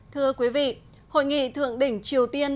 thưa quý vị hội nghị thượng đỉnh triều tiên